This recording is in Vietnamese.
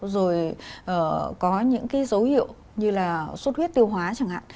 rồi có những dấu hiệu như suốt huyết tiêu hóa chẳng hạn